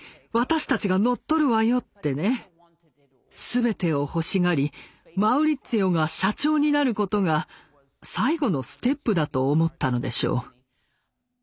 全てを欲しがりマウリッツィオが社長になることが最後のステップだと思ったのでしょう。